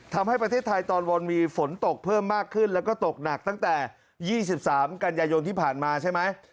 ทำให้ประเทศไทยตอนบนมีฝนตกเพิ่มมากขึ้นแล้วก็ตกหนักตั้งแต่๒๓กันยายนที่ผ่านมาใช่ไหม